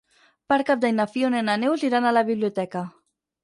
Per Cap d'Any na Fiona i na Neus iran a la biblioteca.